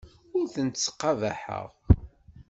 Ur tent-ttqabaḥeɣ.